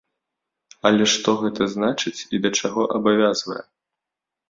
Але што гэта значыць і да чаго абавязвае?